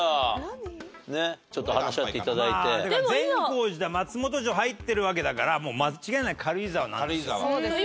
善光寺と松本城入ってるわけだから間違いなく軽井沢なんですよ。